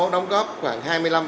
đóng góp khoảng hai mươi năm